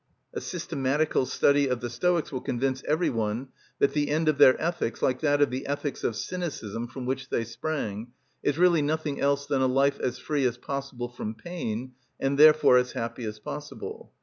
_" A systematical study of the Stoics will convince every one that the end of their ethics, like that of the ethics of Cynicism from which they sprang, is really nothing else than a life as free as possible from pain, and therefore as happy as possible.